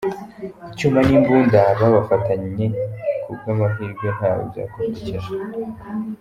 Icyuma n’imbunda babafatanye ku bw’amahirwe ntawe byakomerekeje.